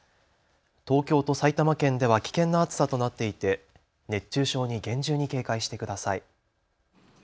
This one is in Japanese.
東京と埼玉県では危険な暑さとなっていて熱中症に厳重に警戒してください。